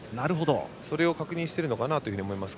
それを確認しているのかなと思います。